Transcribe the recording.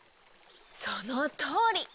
そのとおり。